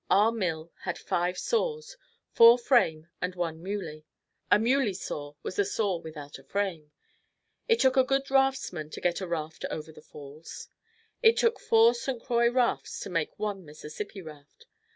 Our mill had five saws four frame and one muley. A muley saw was a saw without a frame. It took a good raftsman to get a raft over the Falls. It took four St. Croix rafts to make one Mississippi raft.